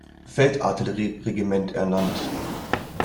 Feldartillerie-Regiment ernannt.